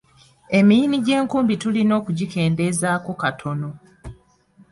Emiyini gy’enkumbi tulina okugikendeezaako katono.